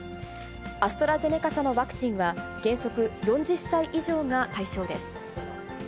アストラゼネカ社のワクチンは、原則、４０歳以上が対象です。